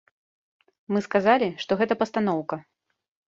Мы сказалі, што гэта пастаноўка.